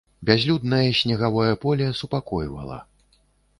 Бязлюднае снегавое поле супакойвала.